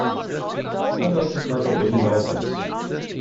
I would like to carve a wooden dolphin.